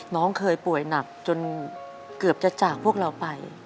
น้องเคยป่วยหนักจนเกือบจะจากพวกเราไป